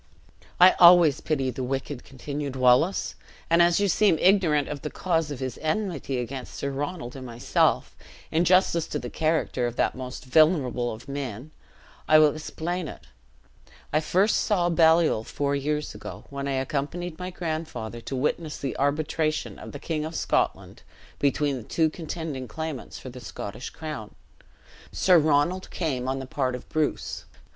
"I always pity the wicked," continued Wallace; "and as you seem ignorant of the cause of his enmity against Sir Ronald and myself, in justice to the character of that most venerable of men, I will explain it. I first saw Baliol four years ago, when I accompanied my grandfather to witness the arbitration of the King of Scotland between the two contending claimants for the Scottish crown. Sir Ronald came on the part of Bruce.